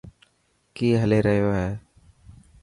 ڪي هلي ريو هي.